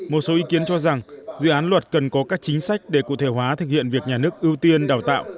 một số ý kiến cho rằng dự án luật cần có các chính sách để cụ thể hóa thực hiện việc nhà nước ưu tiên đào tạo